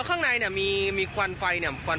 โอ้โฮคือพี่ผ่านทางมาเห็น